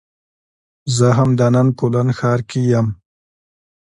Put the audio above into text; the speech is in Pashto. زه همدا نن کولن ښار کې یم